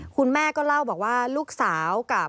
คุณแม่ก็เล่าบอกว่าลูกสาวกับ